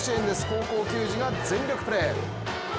高校球児が全力プレー。